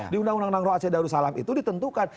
di undang undang nangro aceh darussalam itu ditentukan